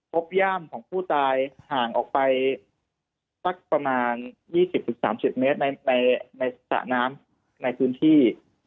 ย่ามของผู้ตายห่างออกไปสักประมาณ๒๐๓๐เมตรในสระน้ำในพื้นที่